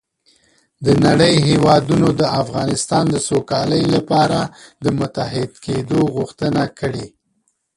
د نړۍ هېوادونو د افغانستان د سوکالۍ لپاره د متحد کېدو غوښتنه کړې